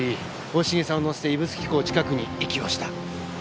大重さんを乗せて指宿港近くに遺棄をした。